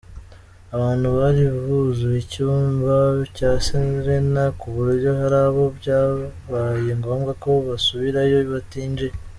Abantu bari buzuye icyumba cya Serena kuburyo hari abo byabaye ngombwa ko basubirayo batinjiye.